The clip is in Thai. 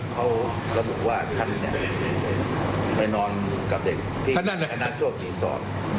เขาระบุว่าท่านไปนอนกับเด็กที่คณะโชครีสอร์ท